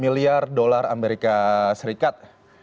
miliar dolar amerika serikat